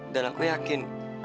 dan aku yakin